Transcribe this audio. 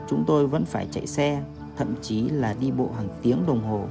chúng tôi vẫn phải chạy xe thậm chí là đi bộ hàng tiếng đồng hồ